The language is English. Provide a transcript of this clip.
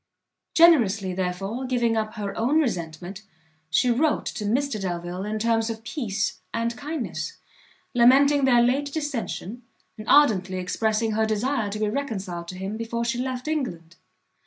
Generously, therefore, giving up her own resentment, she wrote to Mr Delvile in terms of peace and kindness, lamenting their late dissention, and ardently expressing her desire to be reconciled to him before she left England.